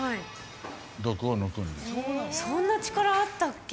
そんな力あったっけ？